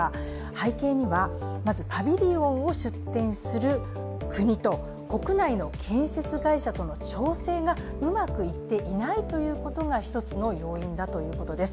背景にはまずパビリオンを出展する国と国内の建設会社との調整がうまくいっていないということが一つの要因だということです。